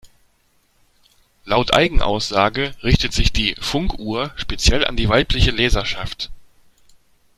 Laut Eigenaussage richtet sich die "Funk Uhr" speziell an die weibliche Leserschaft.